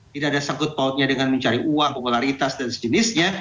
tidak ada sangkut pautnya dengan mencari uang popularitas dan sejenisnya